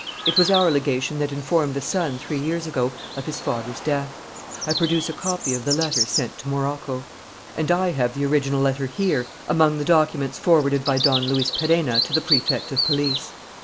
It was our legation that informed the son, three years ago, of his father's death. I produce a copy of the letter sent to Morocco." "And I have the original letter here, among the documents forwarded by Don Luis Perenna to the Prefect of Police.